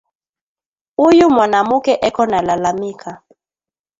Uyu mwanamuke eko na lalamika